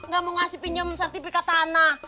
gak mau ngasih pinjam sertifikat tanah